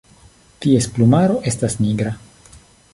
Ties plumaro estas nigra.